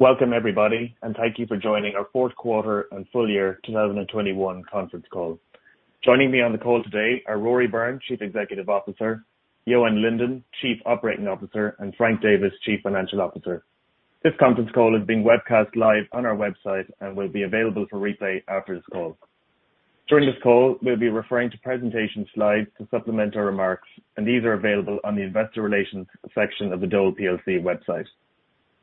Welcome everybody, and thank you for joining our fourth quarter and full year 2021 conference call. Joining me on the call today are Rory Byrne, Chief Executive Officer, Johan Lindén, Chief Operating Officer, and Frank Davis, Chief Financial Officer. This conference call is being webcast live on our website and will be available for replay after this call. During this call, we'll be referring to presentation slides to supplement our remarks, and these are available on the investor relations section of the Dole plc website.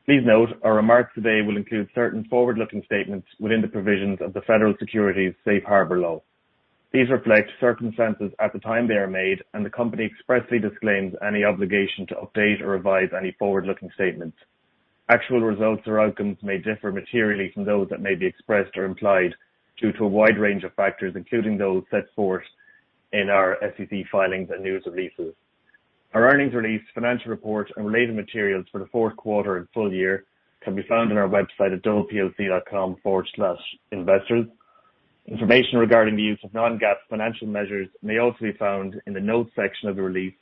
Please note our remarks today will include certain forward-looking statements within the provisions of the Federal Securities Safe Harbor Law. These reflect circumstances at the time they are made, and the company expressly disclaims any obligation to update or revise any forward-looking statements. Actual results or outcomes may differ materially from those that may be expressed or implied due to a wide range of factors, including those set forth in our SEC filings and news releases. Our earnings release, financial report and related materials for the fourth quarter and full year can be found on our website at doleplc.com/investors. Information regarding the use of non-GAAP financial measures may also be found in the notes section of the release,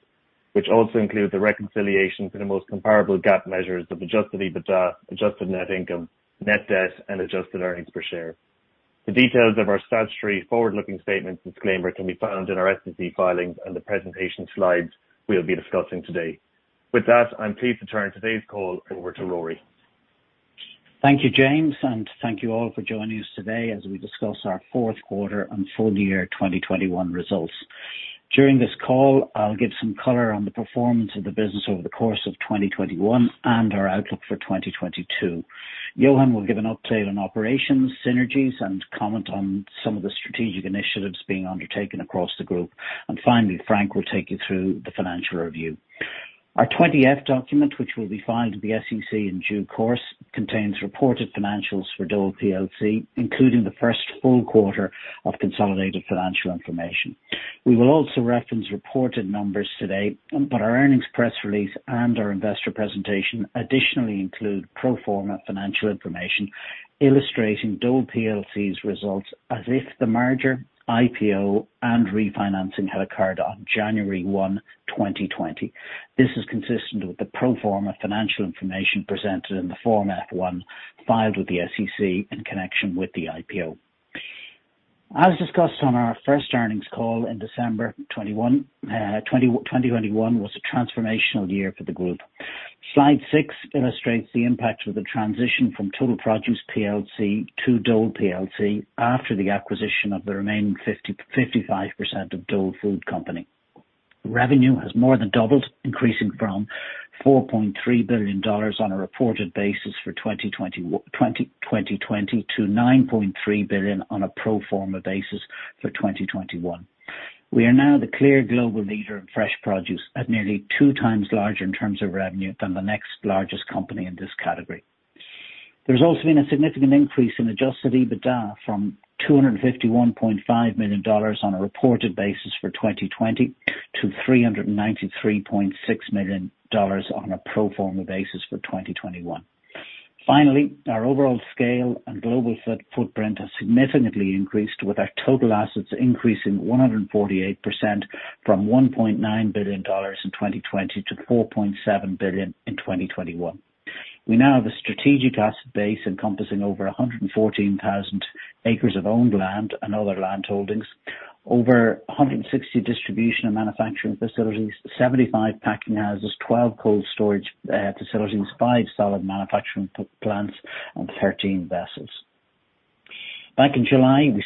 which also includes the reconciliation to the most comparable GAAP measures of adjusted EBITDA, adjusted net income, net debt, and adjusted earnings per share. The details of our statutory forward-looking statements disclaimer can be found in our SEC filings and the presentation slides we'll be discussing today. With that, I'm pleased to turn today's call over to Rory. Thank you, James, and thank you all for joining us today as we discuss our fourth quarter and full year 2021 results. During this call, I'll give some color on the performance of the business over the course of 2021 and our outlook for 2022. Johan will give an update on operations, synergies and comment on some of the strategic initiatives being undertaken across the group. Finally, Frank will take you through the financial review. Our 20-F document, which will be filed with the SEC in due course, contains reported financials for Dole plc, including the first full quarter of consolidated financial information. We will also reference reported numbers today, but our earnings press release and our investor presentation additionally include pro forma financial information illustrating Dole plc's results as if the merger, IPO and refinancing had occurred on January 1, 2020. This is consistent with the pro forma financial information presented in the Form F-1 filed with the SEC in connection with the IPO. As discussed on our first earnings call in December 2021 was a transformational year for the group. Slide six illustrates the impact of the transition from Total Produce plc to Dole plc after the acquisition of the remaining 55% of Dole Food Company. Revenue has more than doubled, increasing from $4.3 billion on a reported basis for 2020 to $9.3 billion on a pro forma basis for 2021. We are now the clear global leader in fresh produce at nearly two times larger in terms of revenue than the next largest company in this category. There's also been a significant increase in adjusted EBITDA from $251.5 million on a reported basis for 2020 to $393.6 million on a pro forma basis for 2021. Finally, our overall scale and global footprint has significantly increased, with our total assets increasing 148% from $1.9 billion in 2020 to $4.7 billion in 2021. We now have a strategic asset base encompassing over 114,000 acres of owned land and other landholdings. Over 160 distribution and manufacturing facilities, 75 packing houses, 12 cold storage facilities, five salad manufacturing plants and 13 vessels. Back in July, we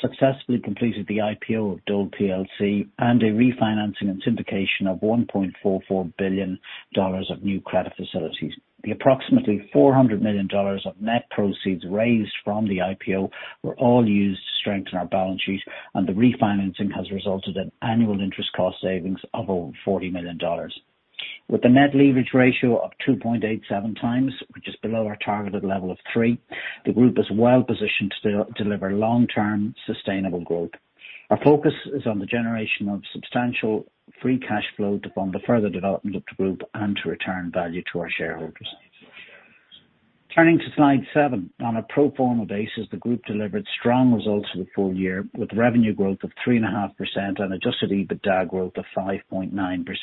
successfully completed the IPO of Dole plc and a refinancing and syndication of $1.44 billion of new credit facilities. The approximately $400 million of net proceeds raised from the IPO were all used to strengthen our balance sheet, and the refinancing has resulted in annual interest cost savings of over $40 million. With a net leverage ratio of 2.87 times, which is below our targeted level of three, the group is well positioned to deliver long-term sustainable growth. Our focus is on the generation of substantial free cash flow to fund the further development of the group and to return value to our shareholders. Turning to slide seven. On a pro forma basis, the group delivered strong results for the full year, with revenue growth of 3.5% and adjusted EBITDA growth of 5.9%.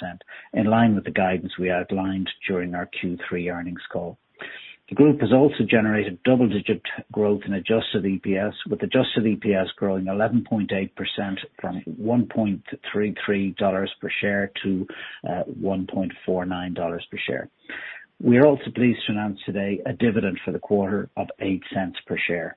In line with the guidance we outlined during our Q3 earnings call. The group has also generated double-digit growth in Adjusted EPS, with Adjusted EPS growing 11.8% from $1.33 per share to $1.49 per share. We are also pleased to announce today a dividend for the quarter of $0.08 per share.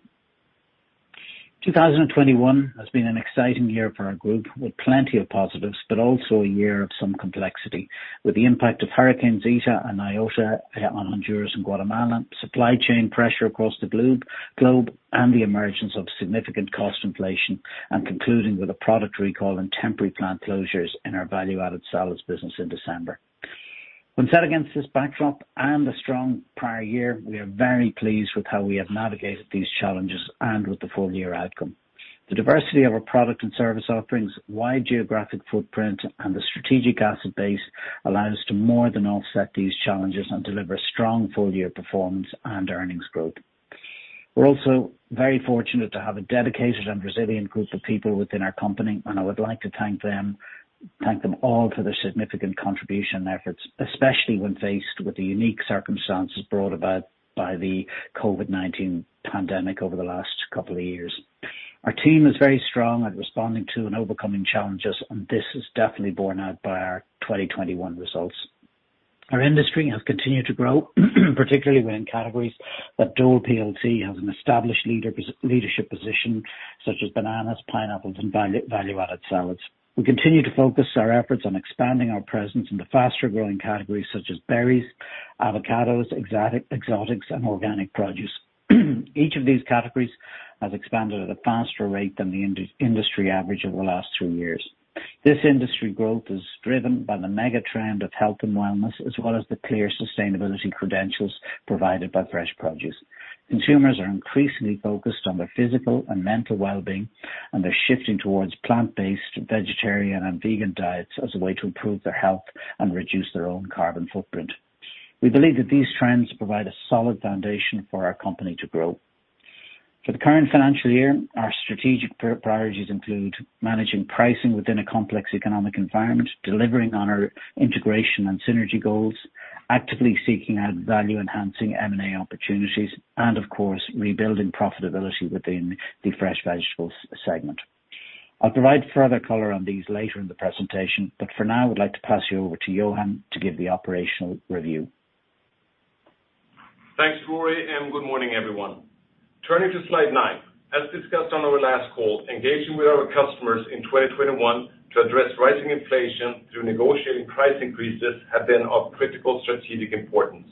2021 has been an exciting year for our group, with plenty of positives, but also a year of some complexity with the impact of Hurricanes Eta and Iota on Honduras and Guatemala, supply chain pressure across the globe and the emergence of significant cost inflation, and concluding with a product recall and temporary plant closures in our value-added salads business in December. When set against this backdrop and a strong prior year, we are very pleased with how we have navigated these challenges and with the full year outcome. The diversity of our product and service offerings, wide geographic footprint and the strategic asset base allow us to more than offset these challenges and deliver strong full year performance and earnings growth. We're also very fortunate to have a dedicated and resilient group of people within our company, and I would like to thank them all for their significant contribution and efforts, especially when faced with the unique circumstances brought about by the COVID-19 pandemic over the last couple of years. Our team is very strong at responding to and overcoming challenges, and this is definitely borne out by our 2021 results. Our industry has continued to grow, particularly within categories that Dole plc has an established leadership position such as bananas, pineapples, and value-added salads. We continue to focus our efforts on expanding our presence in the faster-growing categories such as berries, avocados, exotics, and organic produce. Each of these categories has expanded at a faster rate than the industry average over the last three years. This industry growth is driven by the mega-trend of health and wellness, as well as the clear sustainability credentials provided by fresh produce. Consumers are increasingly focused on their physical and mental well-being, and they're shifting towards plant-based, vegetarian, and vegan diets as a way to improve their health and reduce their own carbon footprint. We believe that these trends provide a solid foundation for our company to grow. For the current financial year, our strategic priorities include managing pricing within a complex economic environment, delivering on our integration and synergy goals, actively seeking out value-enhancing M&A opportunities, and of course, rebuilding profitability within the Fresh Vegetables segment. I'll provide further color on these later in the presentation, but for now, I would like to pass you over to Johan to give the operational review. Thanks, Rory, and good morning, everyone. Turning to slide nine. As discussed on our last call, engaging with our customers in 2021 to address rising inflation through negotiating price increases have been of critical strategic importance.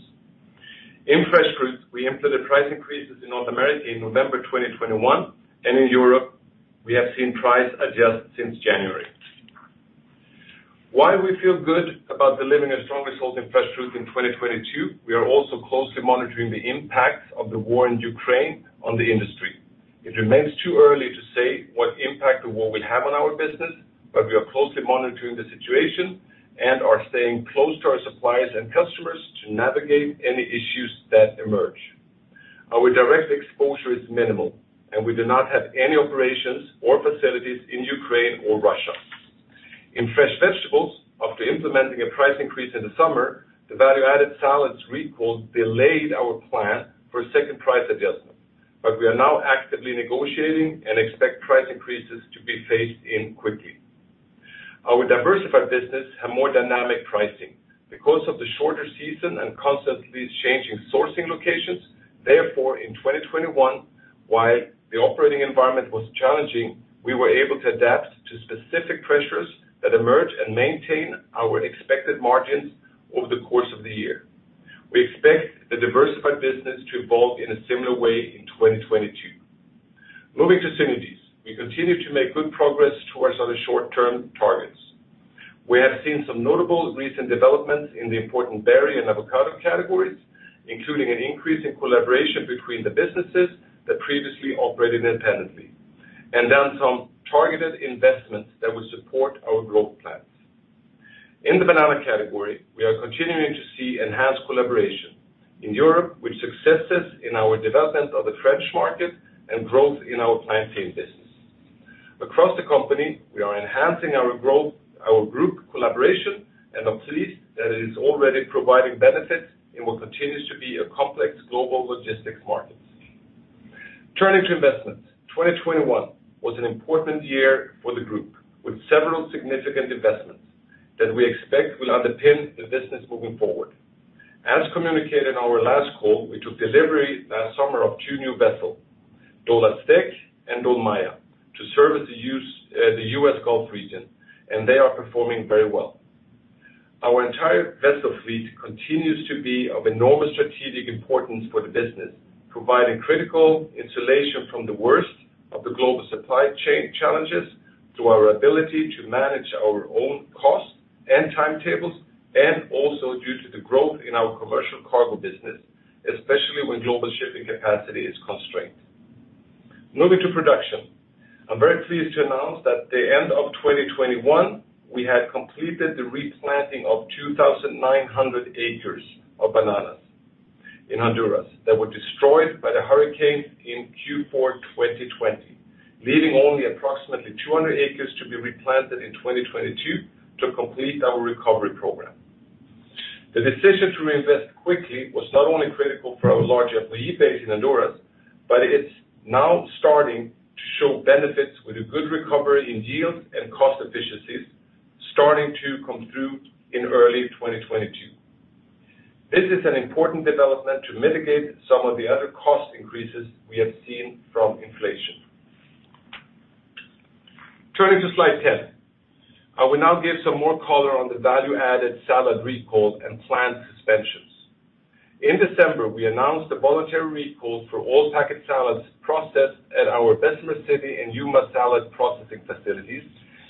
In fresh fruits, we implemented price increases in North America in November 2021, and in Europe, we have seen price adjustments since January. While we feel good about delivering a strong result in fresh fruits in 2022, we are also closely monitoring the impact of the war in Ukraine on the industry. It remains too early to say what impact the war will have on our business, but we are closely monitoring the situation and are staying close to our suppliers and customers to navigate any issues that emerge. Our direct exposure is minimal, and we do not have any operations or facilities in Ukraine or Russia. In Fresh Vegetables, after implementing a price increase in the summer, the value-added salads recall delayed our plan for a second price adjustment. We are now actively negotiating and expect price increases to be phased in quickly. Our Diversified business have more dynamic pricing because of the shorter season and constantly changing sourcing locations. Therefore, in 2021, while the operating environment was challenging, we were able to adapt to specific pressures that emerged and maintain our expected margins over the course of the year. We expect the diversified business to evolve in a similar way in 2022. Moving to synergies. We continue to make good progress towards our short-term targets. We have seen some notable recent developments in the important berry and avocado categories, including an increase in collaboration between the businesses that previously operated independently and done some targeted investments that will support our growth plans. In the banana category, we are continuing to see enhanced collaboration in Europe, with successes in our development of the French market and growth in our plantain business. Across the company, we are enhancing our growth, our group collaboration, and I'm pleased that it is already providing benefits, and it will continue to be a complex global logistics market. Turning to investments, 2021 was an important year for the group, with several significant investments that we expect will underpin the business moving forward. As communicated in our last call, we took delivery last summer of two new vessels, Dole Aztec and Dole Maya, to service the U.S. Gulf region, and they are performing very well. Our entire vessel fleet continues to be of enormous strategic importance for the business, providing critical insulation from the worst of the global supply chain challenges through our ability to manage our own costs and timetables, and also due to the growth in our commercial cargo business, especially when global shipping capacity is constrained. Moving to production. I'm very pleased to announce that at the end of 2021, we had completed the replanting of 2,900 acres of bananas in Honduras that were destroyed by the hurricane in Q4 2020, leaving only approximately 200 acres to be replanted in 2022 to complete our recovery program. The decision to invest quickly was not only critical for our large employee base in Honduras, but it's now starting to show benefits with a good recovery in yield and cost efficiencies starting to come through in early 2022. This is an important development to mitigate some of the other cost increases we have seen from inflation. Turning to slide 10. I will now give some more color on the value-added salad recall and plant suspensions. In December, we announced a voluntary recall for all packet salads processed at our Bessemer City and Yuma salad processing facilities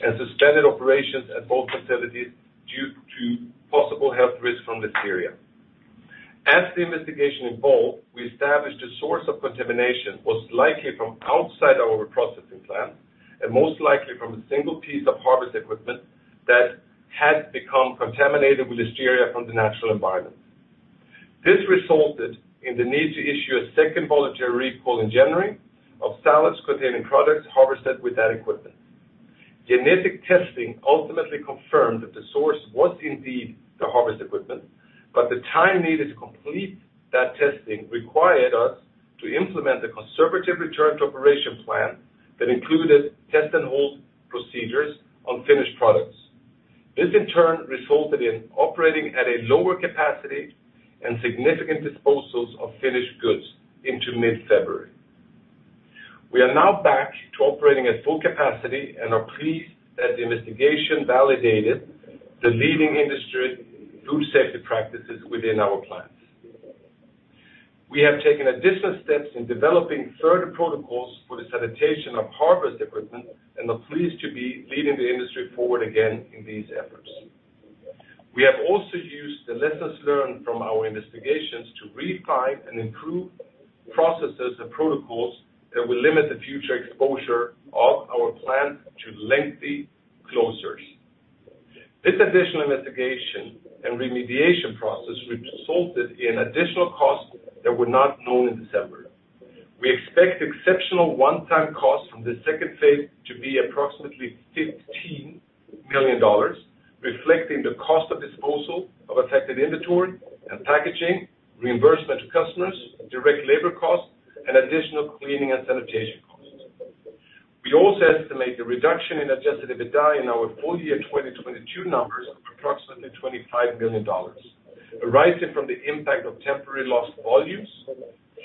and suspended operations at both facilities due to possible health risks from Listeria. As the investigation evolved, we established the source of contamination was likely from outside our processing plant. Most likely from a single piece of harvest equipment that had become contaminated with Listeria from the natural environment. This resulted in the need to issue a second voluntary recall in January of salads containing products harvested with that equipment. Genetic testing ultimately confirmed that the source was indeed the harvest equipment, but the time needed to complete that testing required us to implement a conservative return to operation plan that included test and hold procedures on finished products. This in turn resulted in operating at a lower capacity and significant disposals of finished goods into mid-February. We are now back to operating at full capacity and are pleased that the investigation validated the leading industry food safety practices within our plants. We have taken additional steps in developing further protocols for the sanitation of harvest equipment and are pleased to be leading the industry forward again in these efforts. We have also used the lessons learned from our investigations to refine and improve processes and protocols that will limit the future exposure of our plant to lengthy closures. This additional investigation and remediation process resulted in additional costs that were not known in December. We expect exceptional one-time costs from the second phase to be approximately $15 million, reflecting the cost of disposal of affected inventory and packaging, reimbursement to customers, direct labor costs, and additional cleaning and sanitation costs. We also estimate the reduction in adjusted EBITDA in our full year 2022 numbers of approximately $25 million, arising from the impact of temporary lost volumes,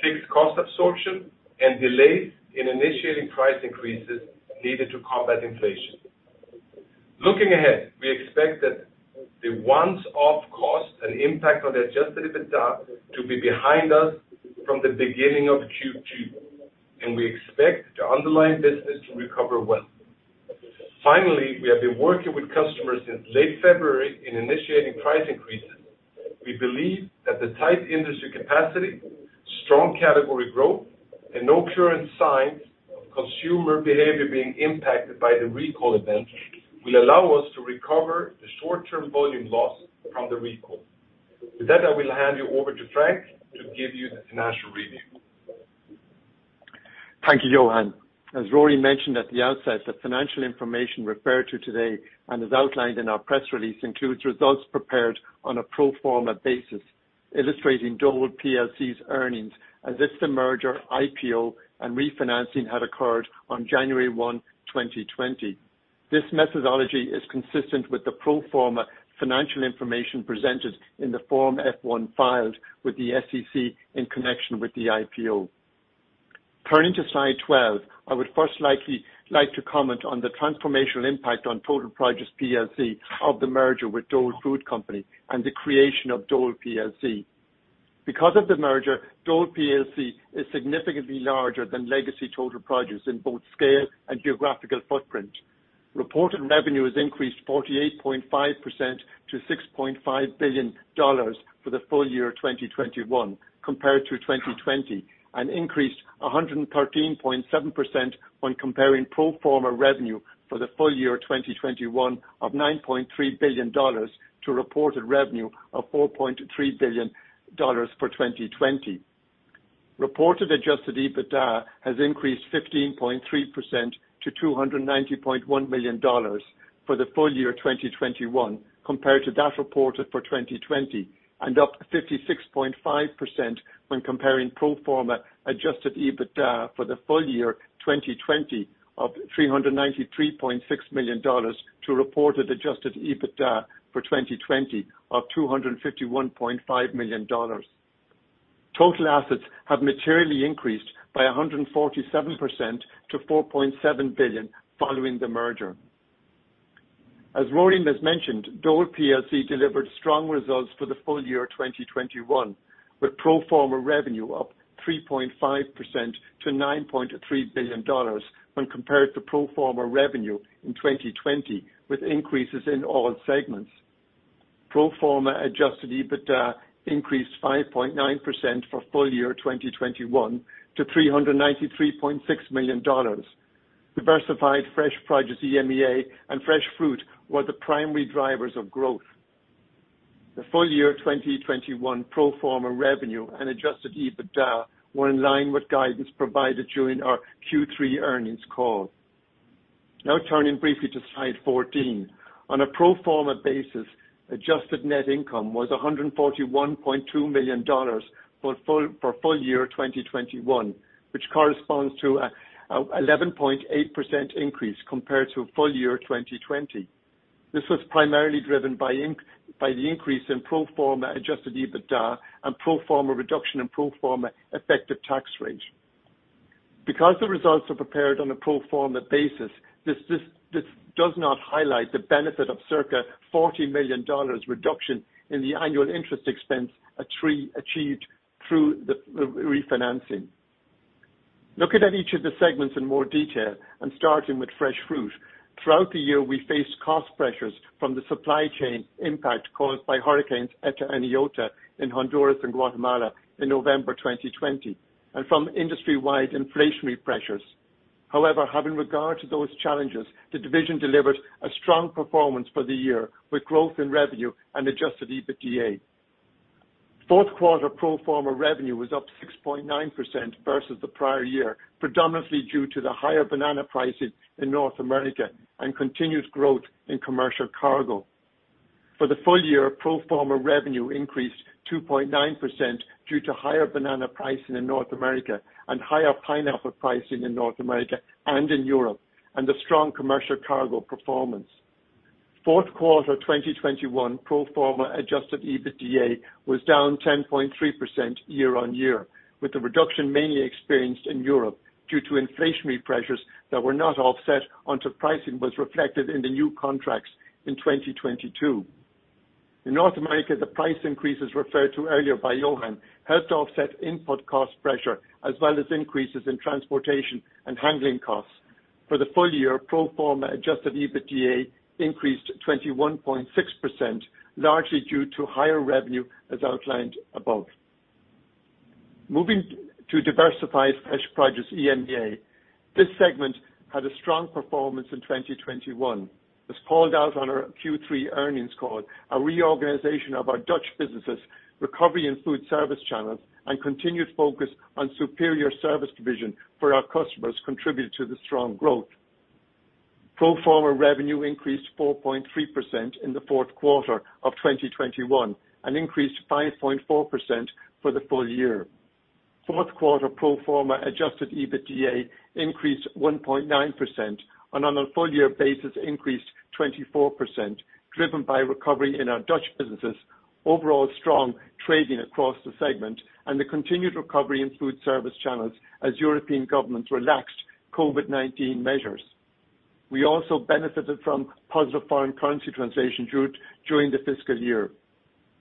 fixed cost absorption, and delay in initiating price increases needed to combat inflation. Looking ahead, we expect that the one-off cost and impact on the adjusted EBITDA to be behind us from the beginning of Q2, and we expect the underlying business to recover well. Finally, we have been working with customers since late February in initiating price increases. We believe that the tight industry capacity, strong category growth, and no current signs of consumer behavior being impacted by the recall event will allow us to recover the short-term volume loss from the recall. With that, I will hand you over to Frank to give you the financial review. Thank you, Johan. As Rory mentioned at the outset, the financial information referred to today and as outlined in our press release includes results prepared on a pro forma basis, illustrating Dole plc's earnings as if the merger, IPO, and refinancing had occurred on January 1, 2020. This methodology is consistent with the pro forma financial information presented in the Form F-1 filed with the SEC in connection with the IPO. Turning to slide 12, I would first like to comment on the transformational impact on Total Produce plc of the merger with Dole Food Company and the creation of Dole plc. Because of the merger, Dole plc is significantly larger than legacy Total Produce in both scale and geographical footprint. Reported revenue has increased 48.5% to $6.5 billion for the full year of 2021 compared to 2020, and increased 113.7% when comparing pro forma revenue for the full year 2021 of $9.3 billion to reported revenue of $4.3 billion for 2020. Reported adjusted EBITDA has increased 15.3% to $290.1 million for the full year of 2021 compared to that reported for 2020, and up 56.5% when comparing pro forma adjusted EBITDA for the full year 2020 of $393.6 million to reported adjusted EBITDA for 2020 of $251.5 million. Total assets have materially increased by 147% to $4.7 billion following the merger. As Rory has mentioned, Dole plc delivered strong results for the full year of 2021, with pro forma revenue up 3.5% to $9.3 billion when compared to pro forma revenue in 2020 with increases in all segments. Pro forma adjusted EBITDA increased 5.9% for full year of 2021 to $393.6 million. Diversified Fresh Produce - EMEA and fresh fruit were the primary drivers of growth. The full year of 2021 pro forma revenue and adjusted EBITDA were in line with guidance provided during our Q3 earnings call. Now turning briefly to slide 14. On a pro forma basis, adjusted net income was $141.2 million for full year 2021, which corresponds to 11.8% increase compared to full year 2020. This was primarily driven by the increase in pro forma adjusted EBITDA and pro forma reduction in pro forma effective tax rate. Because the results are prepared on a pro forma basis, this does not highlight the benefit of circa $40 million reduction in the annual interest expense achieved through the refinancing. Looking at each of the segments in more detail and starting with Fresh Fruit. Throughout the year, we faced cost pressures from the supply chain impact caused by Hurricanes Eta and Iota in Honduras and Guatemala in November 2020, and from industry-wide inflationary pressures. However, having regard to those challenges, the division delivered a strong performance for the year with growth in revenue and adjusted EBITDA. Fourth quarter pro forma revenue was up 6.9% versus the prior year, predominantly due to the higher banana pricing in North America and continued growth in commercial cargo. For the full year, pro forma revenue increased 2.9% due to higher banana pricing in North America and higher pineapple pricing in North America and in Europe, and the strong commercial cargo performance. Fourth quarter 2021 pro forma adjusted EBITDA was down 10.3% year-over-year, with the reduction mainly experienced in Europe due to inflationary pressures that were not offset until pricing was reflected in the new contracts in 2022. In North America, the price increases referred to earlier by Johan helped to offset input cost pressure as well as increases in transportation and handling costs. For the full year, pro forma adjusted EBITDA increased 21.6%, largely due to higher revenue as outlined above. Moving to Diversified Fresh Produce - EMEA, this segment had a strong performance in 2021. As called out on our Q3 earnings call, a reorganization of our Dutch businesses, recovery in food service channels, and continued focus on superior service delivery for our customers contributed to the strong growth. Pro forma revenue increased 4.3% in the fourth quarter of 2021 and increased 5.4% for the full year. Fourth quarter pro forma adjusted EBITDA increased 1.9%, and on a full year basis, increased 24%, driven by recovery in our Dutch businesses, overall strong trading across the segment, and the continued recovery in food service channels as European governments relaxed COVID-19 measures. We also benefited from positive foreign currency translation during the fiscal year.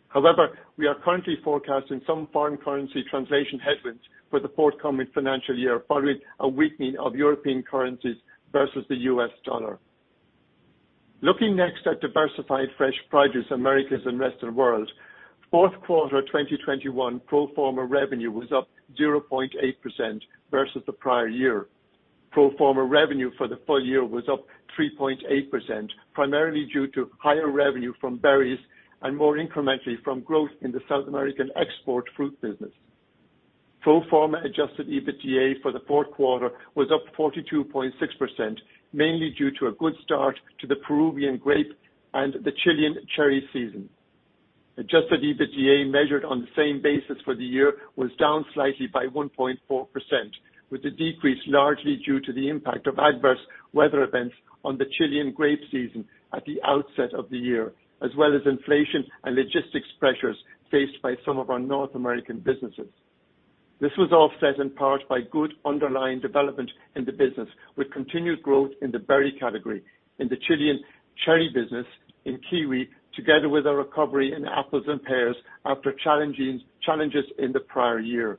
However, we are currently forecasting some foreign currency translation headwinds for the forthcoming financial year following a weakening of European currencies versus the US dollar. Looking next at Diversified Fresh Produce - Americas and Rest of World, fourth quarter 2021 pro forma revenue was up 0.8% versus the prior year. Pro forma revenue for the full year was up 3.8%, primarily due to higher revenue from berries and more incrementally from growth in the South American export fruit business. Pro forma adjusted EBITDA for the fourth quarter was up 42.6%, mainly due to a good start to the Peruvian grape and the Chilean cherry season. Adjusted EBITDA measured on the same basis for the year was down slightly by 1.4%, with the decrease largely due to the impact of adverse weather events on the Chilean grape season at the outset of the year, as well as inflation and logistics pressures faced by some of our North American businesses. This was offset in part by good underlying development in the business, with continued growth in the berry category in the Chilean cherry business in kiwi, together with a recovery in apples and pears after challenges in the prior year.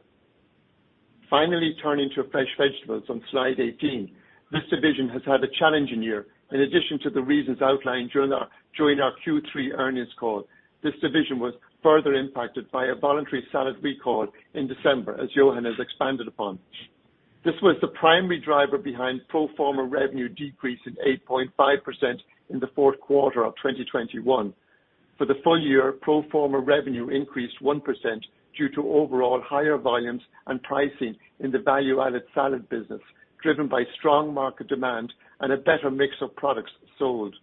Finally, turning to Fresh Vegetables on slide 18. This division has had a challenging year. In addition to the reasons outlined during our Q3 earnings call, this division was further impacted by a voluntary salad recall in December, as Johan has expanded upon. This was the primary driver behind pro forma revenue decrease in 8.5% in the fourth quarter of 2021. For the full year, pro forma revenue increased 1% due to overall higher volumes and pricing in the value-added salad business, driven by strong market demand and a better mix of products sold.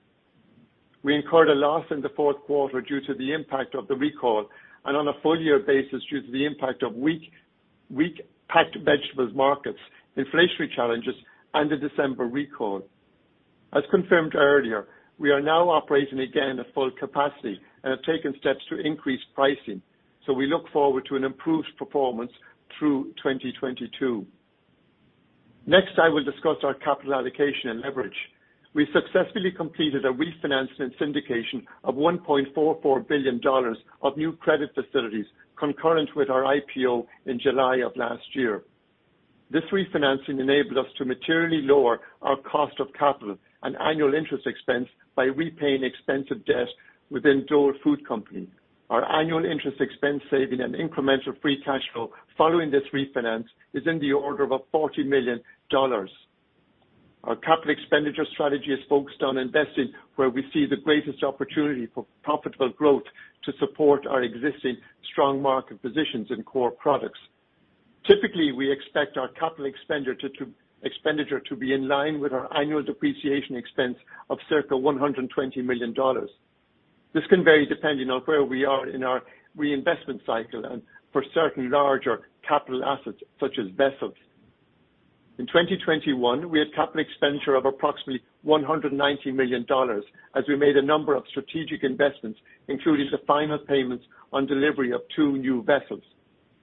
We incurred a loss in the fourth quarter due to the impact of the recall and on a full year basis due to the impact of weak packed vegetables markets, inflationary challenges, and the December recall. As confirmed earlier, we are now operating again at full capacity and have taken steps to increase pricing, so we look forward to an improved performance through 2022. Next, I will discuss our capital allocation and leverage. We successfully completed a refinancing syndication of $1.44 billion of new credit facilities concurrent with our IPO in July of last year. This refinancing enabled us to materially lower our cost of capital and annual interest expense by repaying expensive debt within Dole Food Company. Our annual interest expense saving and incremental free cash flow following this refinance is in the order of $40 million. Our capital expenditure strategy is focused on investing where we see the greatest opportunity for profitable growth to support our existing strong market positions in core products. Typically, we expect our capital expenditure to be in line with our annual depreciation expense of circa $120 million. This can vary depending on where we are in our reinvestment cycle and for certain larger capital assets such as vessels. In 2021, we had capital expenditure of approximately $190 million as we made a number of strategic investments, including the final payments on delivery of two new vessels.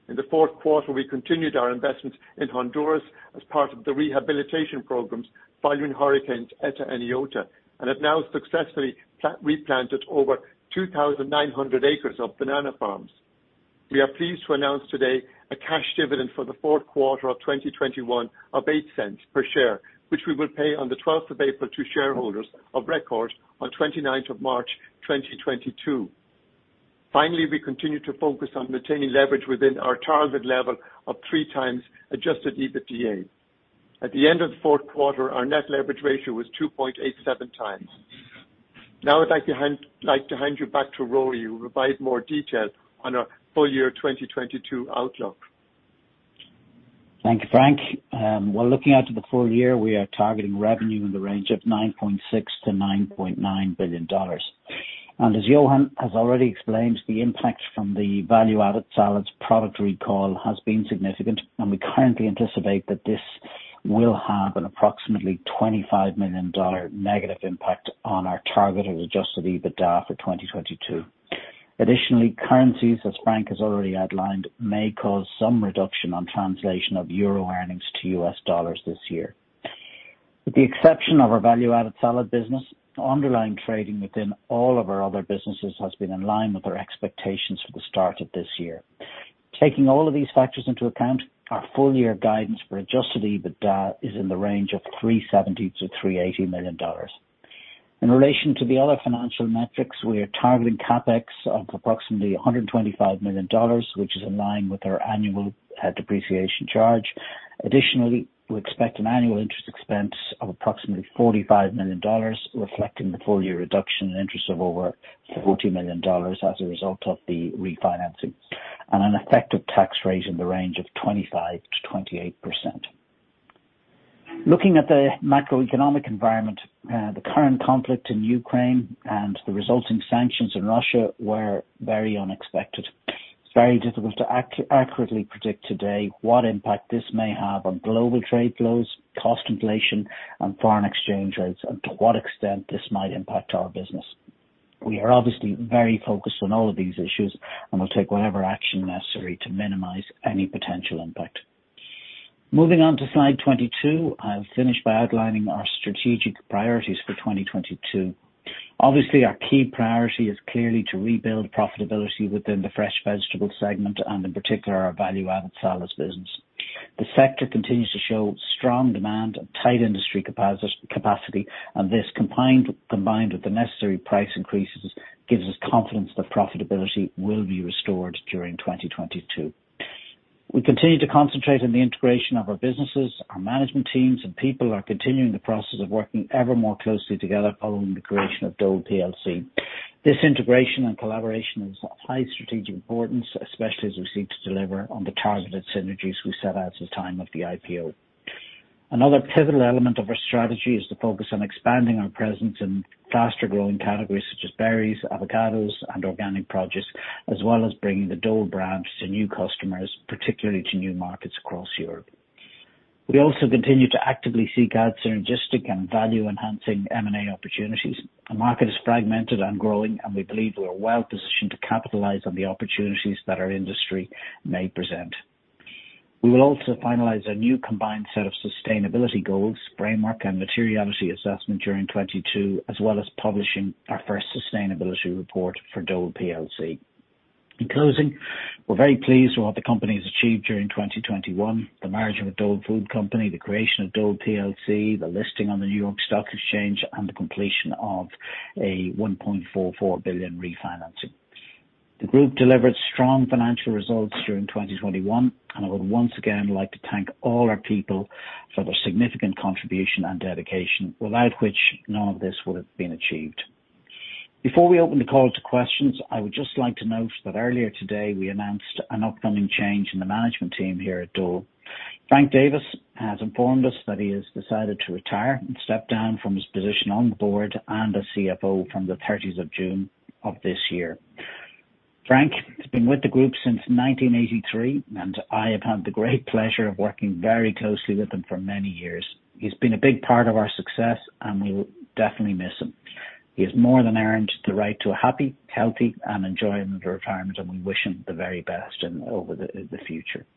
In the fourth quarter, we continued our investments in Honduras as part of the rehabilitation programs following Hurricanes Eta and Iota, and have now successfully replanted over 2,900 acres of banana farms. We are pleased to announce today a cash dividend for the fourth quarter of 2021 of $0.08 per share, which we will pay on 12th of April to shareholders of record on 29th of March 2022. Finally, we continue to focus on maintaining leverage within our targeted level of 3x adjusted EBITDA. At the end of the fourth quarter, our Net Leverage Ratio was 2.87x. Now I'd like to hand you back to Rory who will provide more detail on our full year 2022 outlook. Thank you, Frank. While looking out to the full year, we are targeting revenue in the range of $9.6 billion-$9.9 billion. As Johan has already explained, the impact from the value-added salads product recall has been significant, and we currently anticipate that this will have an approximately $25 million negative impact on our targeted adjusted EBITDA for 2022. Additionally, currencies, as Frank has already outlined, may cause some reduction on translation of euro earnings to US dollars this year. With the exception of our value-added salad business, underlying trading within all of our other businesses has been in line with our expectations for the start of this year. Taking all of these factors into account, our full year guidance for adjusted EBITDA is in the range of $370 million-$380 million. In relation to the other financial metrics, we are targeting CapEx of approximately $125 million, which is in line with our annual depreciation charge. Additionally, we expect an annual interest expense of approximately $45 million, reflecting the full year reduction in interest of over $40 million as a result of the refinancing, and an effective tax rate in the range of 25%-28%. Looking at the macroeconomic environment, the current conflict in Ukraine and the resulting sanctions in Russia were very unexpected. It's very difficult to accurately predict today what impact this may have on global trade flows, cost inflation and foreign exchange rates, and to what extent this might impact our business. We are obviously very focused on all of these issues, and we'll take whatever action necessary to minimize any potential impact. Moving on to slide 22, I'll finish by outlining our strategic priorities for 2022. Obviously, our key priority is clearly to rebuild profitability within the Fresh Vegetables segment and in particular our value-added salads business. The sector continues to show strong demand and tight industry capacity, and this combined with the necessary price increases, gives us confidence that profitability will be restored during 2022. We continue to concentrate on the integration of our businesses. Our management teams and people are continuing the process of working ever more closely together following the creation of Dole plc. This integration and collaboration is of high strategic importance, especially as we seek to deliver on the targeted synergies we set out at the time of the IPO. Another pivotal element of our strategy is to focus on expanding our presence in faster growing categories such as berries, avocados, and organic produce, as well as bringing the Dole brands to new customers, particularly to new markets across Europe. We also continue to actively seek out synergistic and value enhancing M&A opportunities. The market is fragmented and growing, and we believe we are well positioned to capitalize on the opportunities that our industry may present. We will also finalize a new combined set of sustainability goals, framework and materiality assessment during 2022, as well as publishing our first sustainability report for Dole plc. In closing, we're very pleased with what the company has achieved during 2021, the merger with Dole Food Company, the creation of Dole plc, the listing on the New York Stock Exchange and the completion of a $1.44 billion refinancing. The group delivered strong financial results during 2021, and I would once again like to thank all our people for their significant contribution and dedication without which none of this would have been achieved. Before we open the call to questions, I would just like to note that earlier today we announced an upcoming change in the management team here at Dole. Frank Davis has informed us that he has decided to retire and step down from his position on the board and as CFO from the 30th of June of this year. Frank has been with the group since 1983, and I have had the great pleasure of working very closely with him for many years. He's been a big part of our success, and we will definitely miss him. He has more than earned the right to a happy, healthy and enjoyable retirement, and we wish him the very best in the future.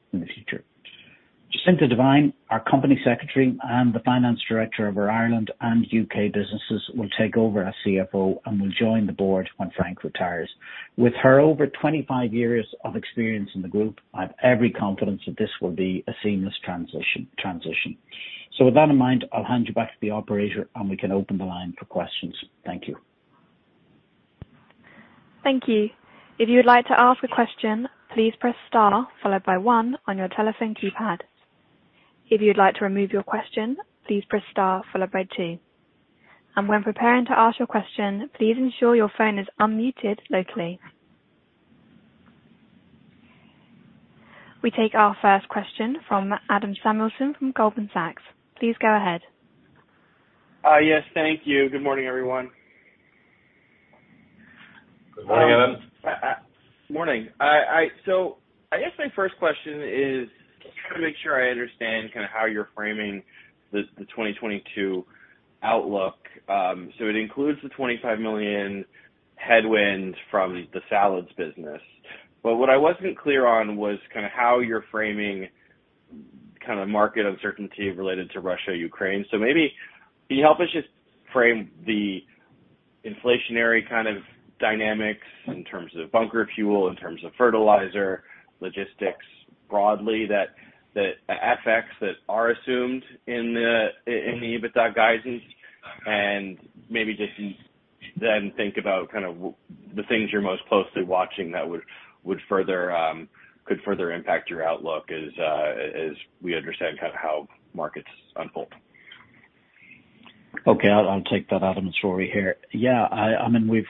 Jacinta Devine, our Company Secretary and the Finance Director of our Ireland and U.K. businesses, will take over as CFO and will join the board when Frank retires. With her over 25 years of experience in the group, I have every confidence that this will be a seamless transition. With that in mind, I'll hand you back to the operator and we can open the line for questions. Thank you. Thank you. If you would like to ask a question, please press star followed by one on your telephone keypad. If you'd like to remove your question, please press star followed by two. When preparing to ask your question, please ensure your phone is unmuted locally. We take our first question from Adam Samuelson from Goldman Sachs. Please go ahead. Yes, thank you. Good morning, everyone. Good morning, Adam. Morning. I guess my first question is just to make sure I understand kind of how you're framing the 2022 outlook. It includes the $25 million headwind from the salads business. What I wasn't clear on was kind of how you're framing kind of market uncertainty related to Russia, Ukraine. Maybe can you help us just frame the inflationary kind of dynamics in terms of bunker fuel, in terms of fertilizer, logistics broadly, FX that are assumed in the EBITDA guidance, and maybe just then think about kind of the things you're most closely watching that could further impact your outlook as we understand kind of how markets unfold. Okay. I'll take that, Adam. It's Rory here. Yeah. I mean, we've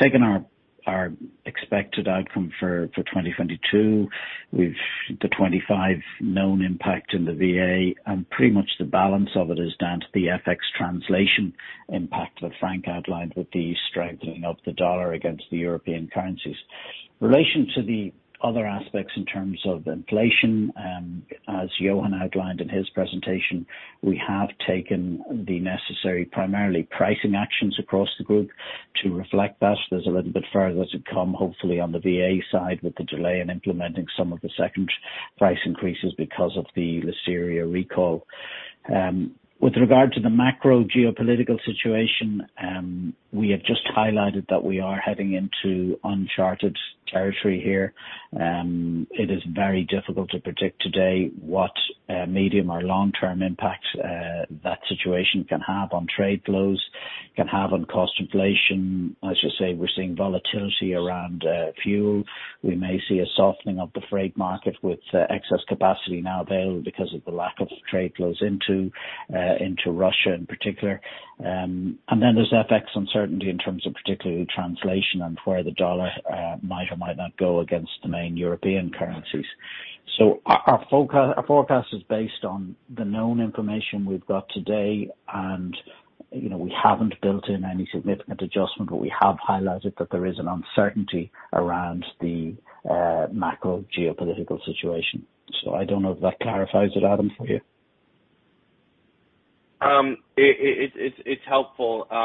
taken our expected outcome for 2022 with the $25 known impact in the VA and pretty much the balance of it is down to the FX translation impact that Frank outlined with the strengthening of the US dollar against the European currencies. In relation to the other aspects in terms of inflation, as Johan outlined in his presentation, we have taken the necessary, primarily pricing actions across the group to reflect that. There's a little bit further to come, hopefully on the VA side with the delay in implementing some of the second price increases because of the Listeria recall. With regard to the macro geopolitical situation, we have just highlighted that we are heading into uncharted territory here. It is very difficult to predict today what medium or long-term impacts that situation can have on trade flows, can have on cost inflation. As you say, we're seeing volatility around fuel. We may see a softening of the freight market with excess capacity now available because of the lack of trade flows into Russia in particular. And then there's FX uncertainty in terms of particularly translation and where the dollar might or might not go against the main European currencies. So our forecast is based on the known information we've got today. You know, we haven't built in any significant adjustment, but we have highlighted that there is an uncertainty around the macro geopolitical situation. So I don't know if that clarifies it, Adam, for you. It's helpful. I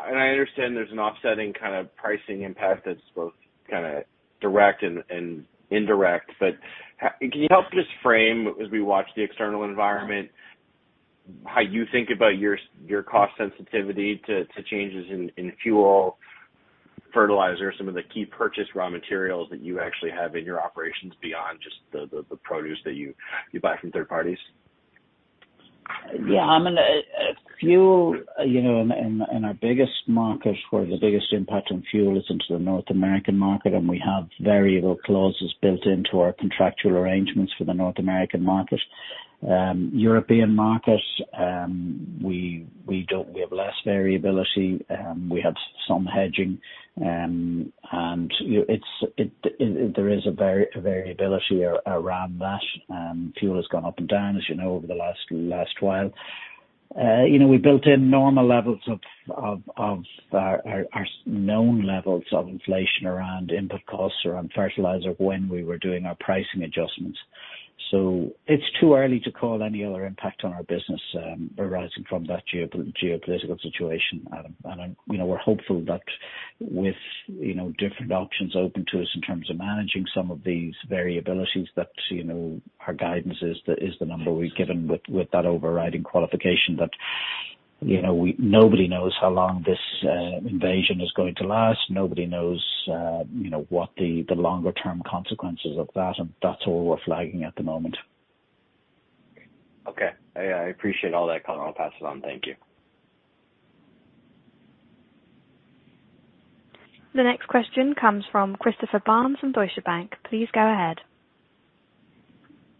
understand there's an offsetting kind of pricing impact that's both kinda direct and indirect, but can you help just frame as we watch the external environment, how you think about your cost sensitivity to changes in fuel, fertilizer, some of the key purchase raw materials that you actually have in your operations beyond just the produce that you buy from third parties? I mean, fuel, you know, in our biggest market where the biggest impact on fuel is into the North American market, and we have variable clauses built into our contractual arrangements for the North American market. European market, we have less variability. We have some hedging. You know, there is a variability around that. Fuel has gone up and down, as you know, over the last while. You know, we built in normal levels of our known levels of inflation around input costs, around fertilizer when we were doing our pricing adjustments. It's too early to call any other impact on our business, arising from that geopolitical situation, Adam. You know, we're hopeful that with, you know, different options open to us in terms of managing some of these variabilities that, you know, our guidance is the number we've given with that overriding qualification that, you know, nobody knows how long this invasion is going to last. Nobody knows, you know, what the longer term consequences of that, and that's all we're flagging at the moment. Okay. I appreciate all that color. I'll pass it on. Thank you. The next question comes from Christopher Barnes from Deutsche Bank. Please go ahead.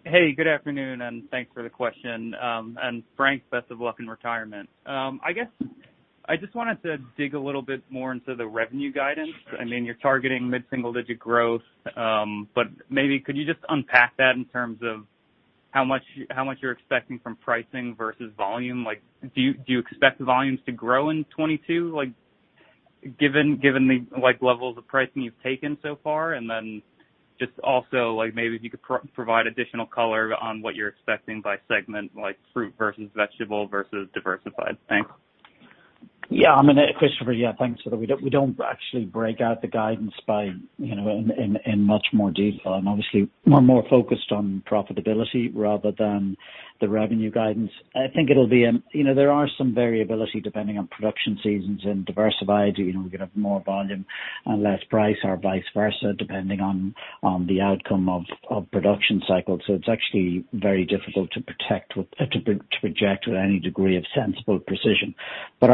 Hey, good afternoon, and thanks for the question. Frank, best of luck in retirement. I guess I just wanted to dig a little bit more into the revenue guidance. I mean, you're targeting mid-single-digit growth, but maybe could you just unpack that in terms of how much you're expecting from pricing versus volume? Like, do you expect the volumes to grow in 2022, like, given the levels of pricing you've taken so far? Just also, like, maybe if you could provide additional color on what you're expecting by segment, like fruit versus vegetable versus diversified. Thanks. Yeah. I mean, Christopher, yeah, thanks for that. We don't actually break out the guidance by, you know, in much more detail. Obviously we're more focused on profitability rather than the revenue guidance. I think it'll be, you know, there are some variability depending on production seasons in Diversified. You know, we could have more volume and less price or vice versa depending on the outcome of production cycles. It's actually very difficult to project with any degree of sensible precision.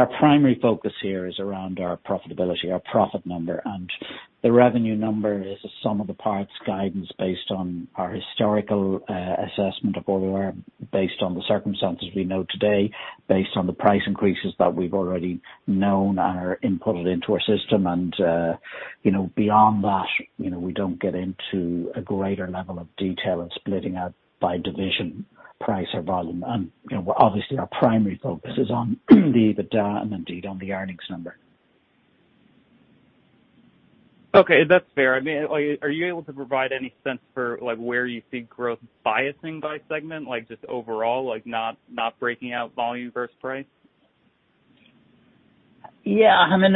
Our primary focus here is around our profitability, our profit number. The revenue number is a sum of the parts guidance based on our historical assessment of where we were based on the circumstances we know today, based on the price increases that we've already known and are inputted into our system. You know, beyond that, you know, we don't get into a greater level of detail in splitting out by division price or volume. You know, obviously our primary focus is on the EBITDA and indeed on the earnings number. Okay. That's fair. I mean, like, are you able to provide any sense for, like, where you see growth biasing by segment, like, just overall, like, not breaking out volume versus price? Yeah, I mean,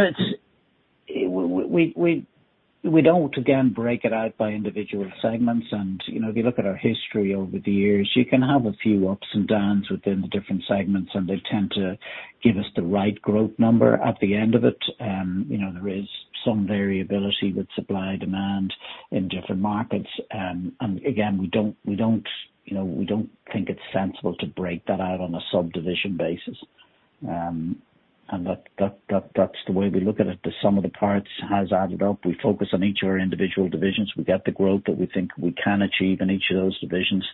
we don't again break it out by individual segments. You know, if you look at our history over the years, you can have a few ups and downs within the different segments, and they tend to give us the right growth number at the end of it. You know, there is some variability with supply and demand in different markets. Again, you know, we don't think it's sensible to break that out on a subdivision basis. That's the way we look at it. The sum of the parts has added up. We focus on each of our individual divisions. We get the growth that we think we can achieve in each of those divisions.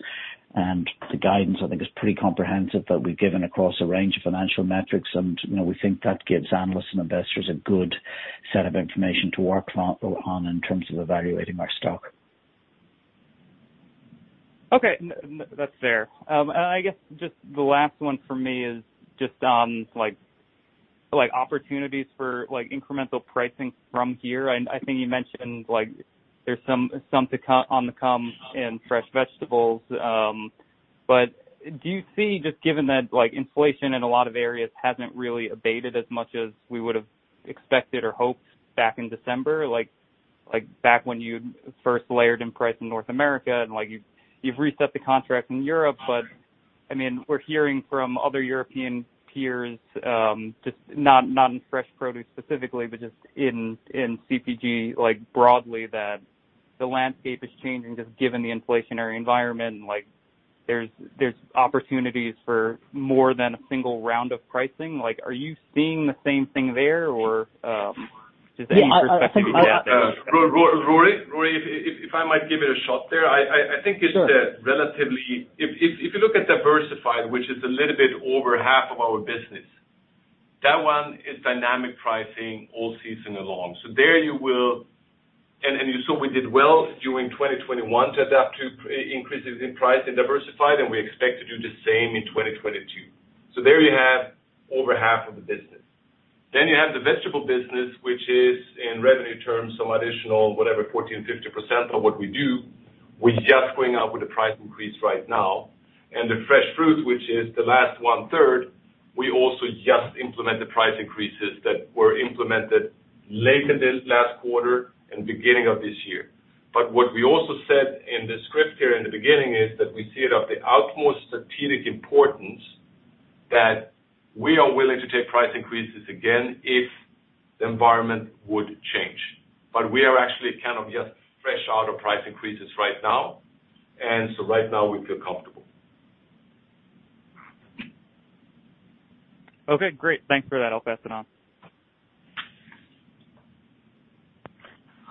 The guidance, I think, is pretty comprehensive that we've given across a range of financial metrics. You know, we think that gives analysts and investors a good set of information to work on in terms of evaluating our stock. Okay. That's fair. I guess just the last one for me is just on like opportunities for like incremental pricing from here. I think you mentioned like there's some to come in Fresh Vegetables. Do you see just given that like inflation in a lot of areas hasn't really abated as much as we would've expected or hoped back in December like back when you first layered in price in North America and like you've reset the contract in Europe. I mean we're hearing from other European peers just not in fresh produce specifically but just in CPG like broadly that the landscape is changing just given the inflationary environment and like there's opportunities for more than a single round of pricing. Like, are you seeing the same thing there or, just any perspective on that. Yeah. I think. Rory, if I might give it a shot there. I think it's the Sure. If you look at diversified, which is a little bit over half of our business, that one is dynamic pricing all season long. You saw we did well during 2021 to adapt to increases in price in diversified, and we expect to do the same in 2022. There you have over half of the business. Then you have the vegetable business, which is in revenue terms, some additional whatever 14%, 15% of what we do. We're just going out with a price increase right now. The fresh fruit, which is the last 1/3, we also just implemented price increases that were implemented late in this last quarter and beginning of this year. What we also said in the script here in the beginning is that we see it of the utmost strategic importance that we are willing to take price increases again if the environment would change. We are actually kind of just fresh out of price increases right now. Right now we feel comfortable. Okay, great. Thanks for that. I'll pass it on.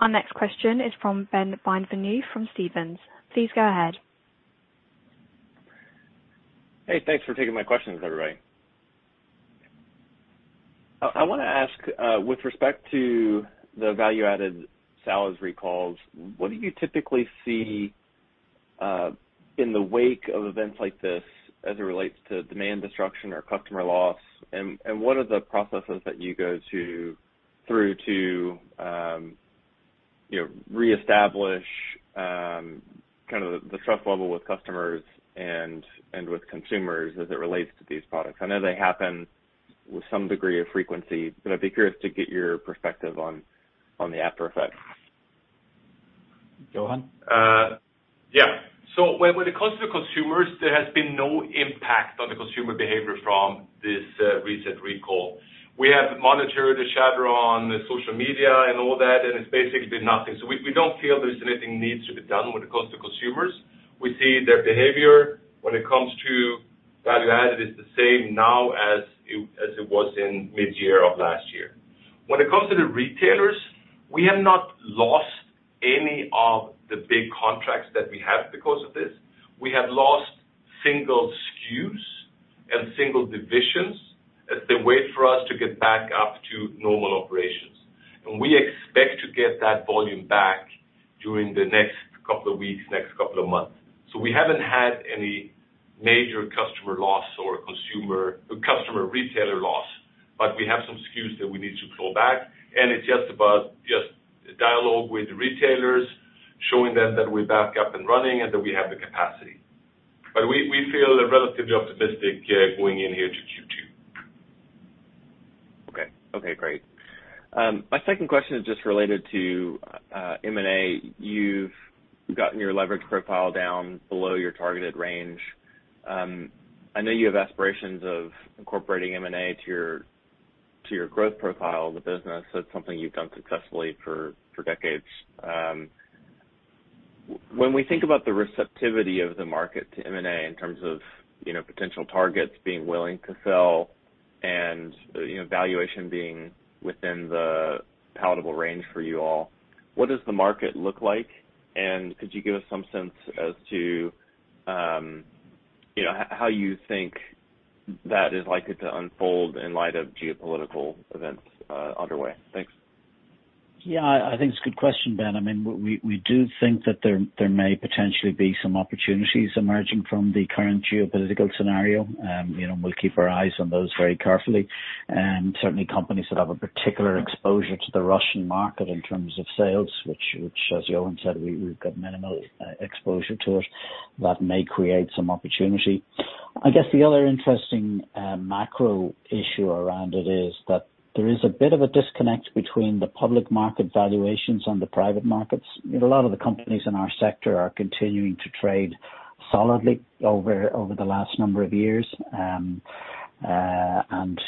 Our next question is from Ben Bienvenu from Stephens. Please go ahead. Hey, thanks for taking my questions, everybody. I wanna ask with respect to the value-added salads recalls, what do you typically see in the wake of events like this as it relates to demand destruction or customer loss? What are the processes that you go through to you know, reestablish kind of the trust level with customers and with consumers as it relates to these products? I know they happen with some degree of frequency, but I'd be curious to get your perspective on the after effects. Johan? Yeah. When it comes to consumers, there has been no impact on the consumer behavior from this recent recall. We have monitored the chatter on social media and all that, and it's basically nothing. We don't feel there's anything needs to be done when it comes to consumers. We see their behavior when it comes to value-added is the same now as it was in mid-year of last year. When it comes to the retailers, we have not lost any of the big contracts that we have because of this. We have lost single SKUs and single divisions as they wait for us to get back up to normal operations. We expect to get that volume back during the next couple of weeks, next couple of months. We haven't had any major customer loss or customer retailer loss, but we have some SKUs that we need to claw back, and it's just about dialogue with the retailers, showing them that we're back up and running and that we have the capacity. We feel relatively optimistic going in here to Q2. Okay. Okay, great. My second question is just related to M&A. You've gotten your leverage profile down below your targeted range. I know you have aspirations of incorporating M&A to your growth profile of the business. That's something you've done successfully for decades. When we think about the receptivity of the market to M&A in terms of, you know, potential targets being willing to sell and, you know, valuation being within the palatable range for you all, what does the market look like? Could you give us some sense as to, you know, how you think that is likely to unfold in light of geopolitical events underway? Thanks. Yeah, I think it's a good question, Ben. I mean, we do think that there may potentially be some opportunities emerging from the current geopolitical scenario. You know, we'll keep our eyes on those very carefully. Certainly companies that have a particular exposure to the Russian market in terms of sales which as Johan said, we've got minimal exposure to it. That may create some opportunity. I guess the other interesting macro issue around it is that there is a bit of a disconnect between the public market valuations and the private markets. You know, a lot of the companies in our sector are continuing to trade solidly over the last number of years.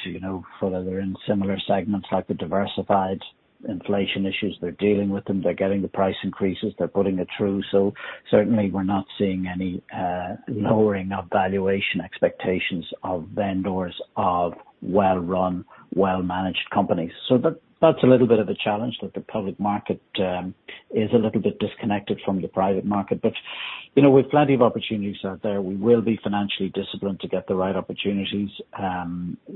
You know, they're in similar segments like the diversified inflation issues, they're dealing with them, they're getting the price increases, they're putting it through. Certainly we're not seeing any lowering of valuation expectations of vendors of well-run, well-managed companies. That, that's a little bit of a challenge that the public market is a little bit disconnected from the private market, but, you know, we've plenty of opportunities out there. We will be financially disciplined to get the right opportunities.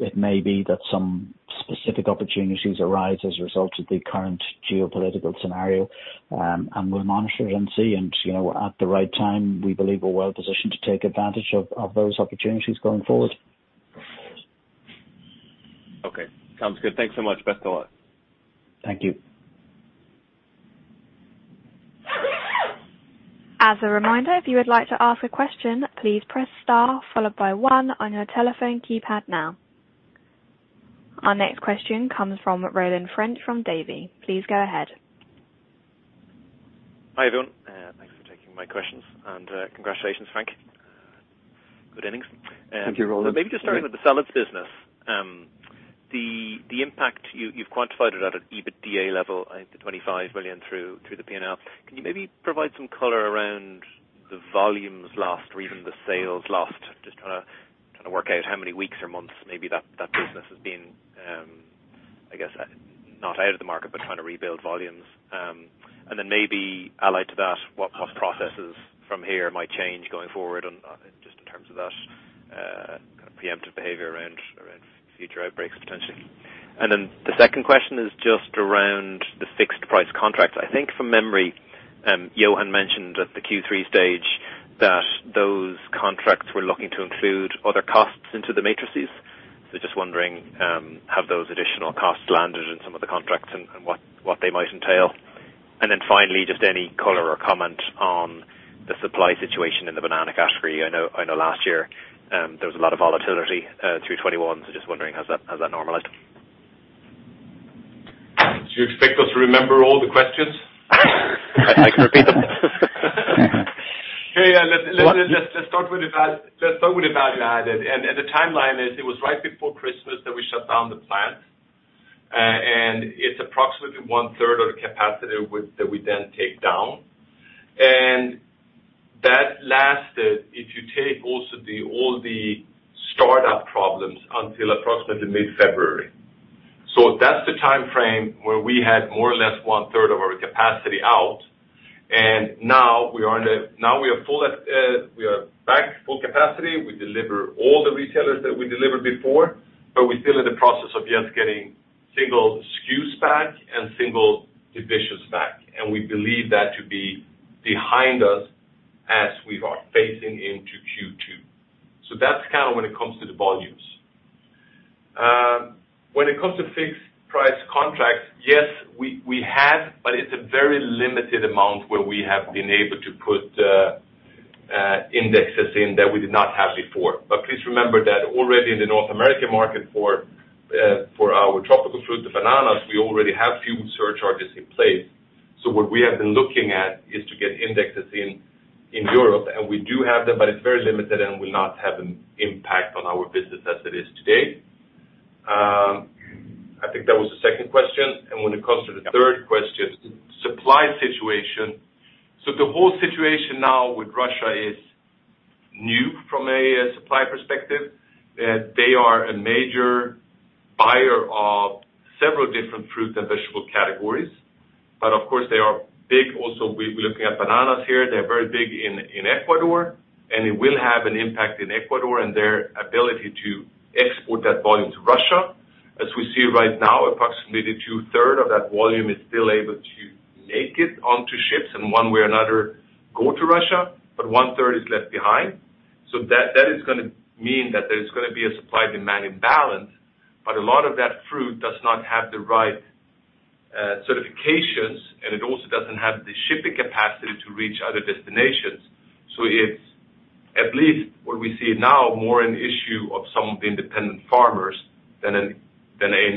It may be that some specific opportunities arise as a result of the current geopolitical scenario. We'll monitor it and see. You know, at the right time, we believe we're well positioned to take advantage of those opportunities going forward. Okay. Sounds good. Thanks so much. Best of luck. Thank you. As a reminder, if you would like to ask a question, please press star followed by one on your telephone keypad now. Our next question comes from Roland French from Davy. Please go ahead. Hi, everyone. Thanks for taking my questions and, congratulations, Frank. Good innings. Thank you, Roland. Maybe just starting with the salads business. The impact you've quantified it at an EBITDA level, I think the $25 million through the P&L. Can you maybe provide some color around the volumes lost or even the sales lost? Just trying to work out how many weeks or months maybe that business has been, I guess, not out of the market, but trying to rebuild volumes. And then maybe allied to that, what processes from here might change going forward on just in terms of that preemptive behavior around future outbreaks potentially. Then the second question is just around the fixed price contracts. I think from memory, Johan mentioned at the Q3 stage that those contracts were looking to include other costs into the metrics. Just wondering, have those additional costs landed in some of the contracts and what they might entail. Then finally, just any color or comment on the supply situation in the banana category. I know last year, there was a lot of volatility through 2021. Just wondering has that normalized? Do you expect us to remember all the questions? I can repeat them. Let's start with the value-added. The timeline is it was right before Christmas that we shut down the plant. It's approximately 1/3 of the capacity that we then take down. That lasted, if you take also all the startup problems until approximately mid-February. That's the timeframe where we had more or less 1/3 of our capacity out, and now we are back to full capacity. We deliver all the retailers that we delivered before, but we're still in the process of just getting single SKUs back and single divisions back. We believe that to be behind us as we are facing into Q2. That's kind of when it comes to the volumes. When it comes to fixed price contracts, yes, we have, but it's a very limited amount where we have been able to put indexes in that we did not have before. Please remember that already in the North American market for our tropical fruit, the bananas, we already have few surcharges in place. What we have been looking at is to get indexes in Europe, and we do have them, but it's very limited and will not have an impact on our business as it is today. I think that was the second question. When it comes to the third question, supply situation, the whole situation now with Russia is new from a supply perspective. They are a major buyer of several different fruit and vegetable categories. Of course they are big also we're looking at bananas here, they're very big in Ecuador, and it will have an impact in Ecuador and their ability to export that volume to Russia. As we see right now, approximately the 2/3 of that volume is still able to make it onto ships and one way or another, go to Russia, but 1/3 is left behind. That is gonna mean that there is gonna be a supply-demand imbalance, but a lot of that fruit does not have the right certifications, and it also doesn't have the shipping capacity to reach other destinations. It's at least what we see now, more an issue of some of the independent farmers than an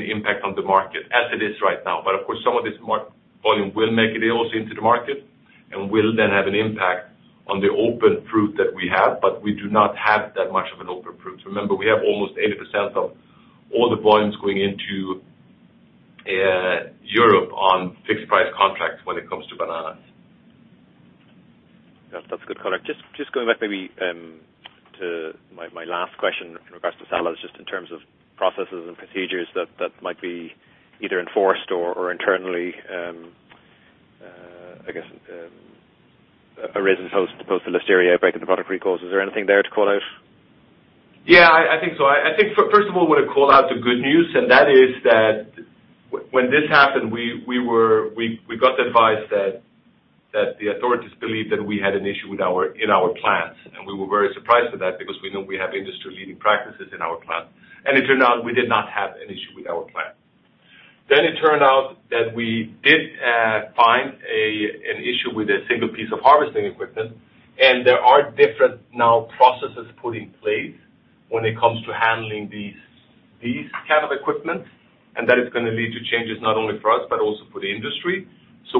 impact on the market as it is right now. Of course, some of this volume will make it also into the market and will then have an impact on the open fruit that we have, but we do not have that much of an open fruit. Remember, we have almost 80% of all the volumes going into Europe on fixed price contracts when it comes to bananas. That's a good color. Just going back maybe to my last question in regards to salads, just in terms of processes and procedures that might be either enforced or internally I guess arisen post the Listeria outbreak and the product recalls. Is there anything there to call out? Yeah, I think so. I think first of all, I wanna call out two good news, and that is that when this happened, we got the advice that the authorities believed that we had an issue with our plants. We were very surprised with that because we know we have industry leading practices in our plant. It turned out we did not have an issue with our plant. It turned out that we did find an issue with a single piece of harvesting equipment, and there are now different processes put in place when it comes to handling these kind of equipment. That is gonna lead to changes not only for us but also for the industry.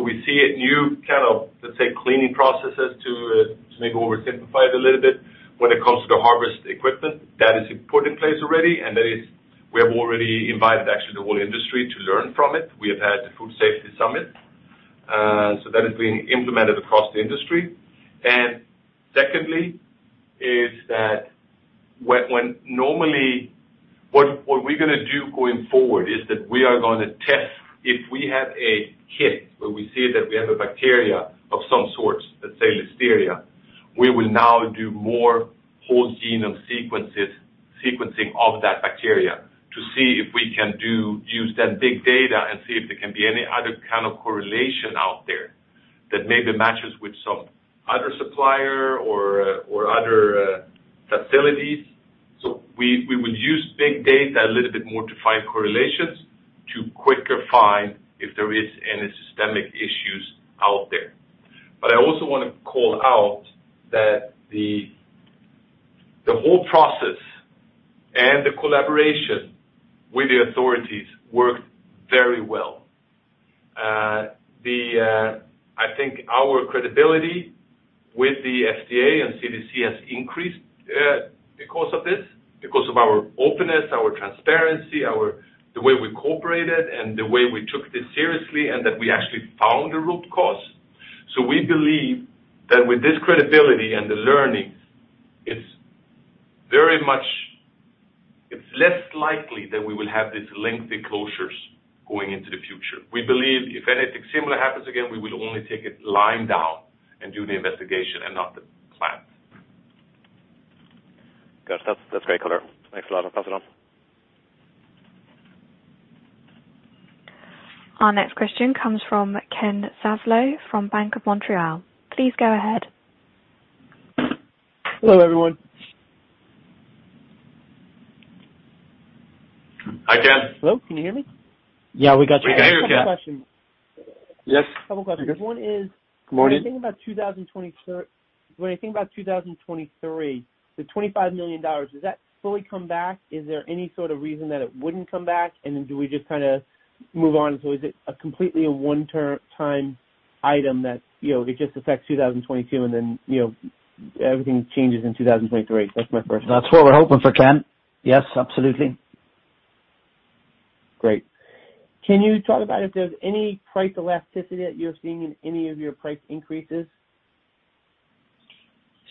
We see a new kind of, let's say, cleaning processes to maybe oversimplify it a little bit when it comes to the harvest equipment that is put in place already, and that is we have already invited actually the whole industry to learn from it. We have had the Food Safety Summit. That is being implemented across the industry. Second, normally what we're gonna do going forward is that we are gonna test. If we have a hit, where we see that we have a bacteria of some sort, let's say Listeria, we will now do more whole genome sequencing of that bacteria to see if we can use that big data and see if there can be any other kind of correlation out there that maybe matches with some other supplier or other facilities. We will use big data a little bit more to find correlations to quicker find if there is any systemic issues out there. I also want to call out that the whole process and the collaboration with the authorities worked very well. I think our credibility with the FDA and CDC has increased because of this, because of our openness, our transparency, the way we cooperated, and the way we took this seriously, and that we actually found a root cause. We believe that with this credibility and the learnings, it's very much less likely that we will have these lengthy closures going into the future. We believe if anything similar happens again, we will only take it line down and do the investigation and not the plant. Gotcha. That's great color. Thanks a lot. I'll pass it on. Our next question comes from Ken Zaslow from BMO Capital Markets. Please go ahead. Hello, everyone. Hi, Ken. Hello. Can you hear me? Yeah, we got you, Ken. We can hear you, Ken. Couple questions. Yes. Couple questions. Good morning. One is when I think about 2023, the $25 million, does that fully come back? Is there any sort of reason that it wouldn't come back? Then do we just kinda move on? So is it a completely one-time item that, you know, it just affects 2022 and then, you know, everything changes in 2023? That's my first. That's what we're hoping for, Ken. Yes, absolutely. Great. Can you talk about if there's any price elasticity that you're seeing in any of your price increases?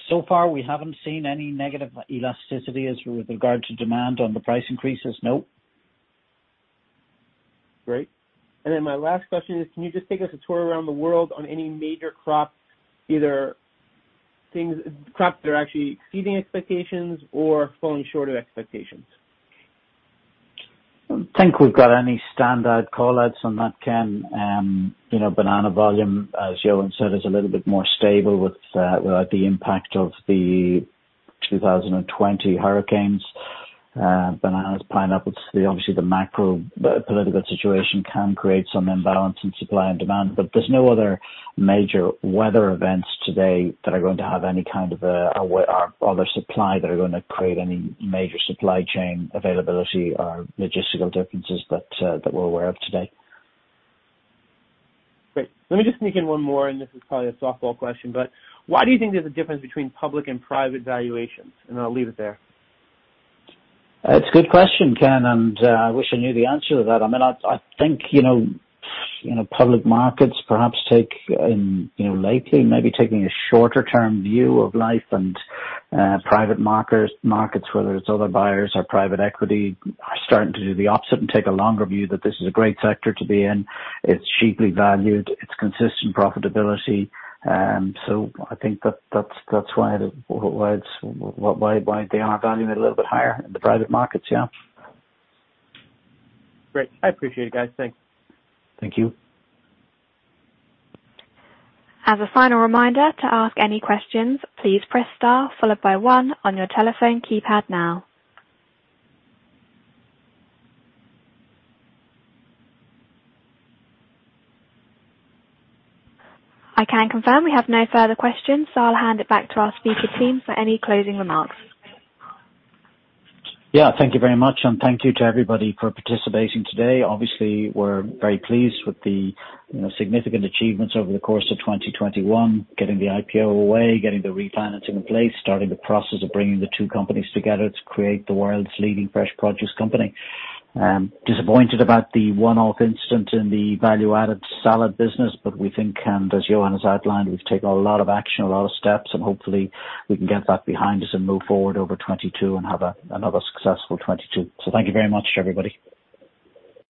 So far we haven't seen any negative elasticity with regard to demand on the price increases. No. Great. My last question is, can you just take us a tour around the world on any major crops, either things, crops that are actually exceeding expectations or falling short of expectations? I don't think we've got any standard call-outs on that, Ken. You know, banana volume, as Johan said, is a little bit more stable without the impact of the 2020 hurricanes. Bananas, pineapples, obviously the macro political situation can create some imbalance in supply and demand. There's no other major weather events today that are going to have any kind of a weather or other supply that are gonna create any major supply chain availability or logistical differences that we're aware of today. Great. Let me just sneak in one more, and this is probably a softball question, but why do you think there's a difference between public and private valuations? I'll leave it there. It's a good question, Ken, and I wish I knew the answer to that. I mean, I think you know, public markets perhaps are taking a shorter term view of life lately, maybe, and private markets, whether it's other buyers or private equity, are starting to do the opposite and take a longer view that this is a great sector to be in. It's cheaply valued, it's consistent profitability. So I think that's why they are valuing it a little bit higher in the private markets. Yeah. Great. I appreciate it, guys. Thanks. Thank you. As a final reminder, to ask any questions, please press star followed by one on your telephone keypad now. I can confirm we have no further questions, so I'll hand it back to our speaker team for any closing remarks. Yeah. Thank you very much, and thank you to everybody for participating today. Obviously, we're very pleased with the, you know, significant achievements over the course of 2021, getting the IPO away, getting the refinancing in place, starting the process of bringing the two companies together to create the world's leading fresh produce company. Disappointed about the one-off incident in the value-added salad business, but we think, and as Johan has outlined, we've taken a lot of action, a lot of steps, and hopefully we can get that behind us and move forward over 2022 and have another successful 2022. Thank you very much, everybody.